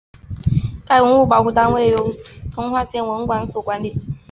该文物保护单位由通化县文管所管理。